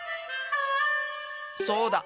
そうだ！